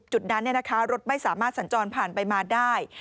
จุดนั้นรถไม่สามารถสัญจรผ่านไปมาได้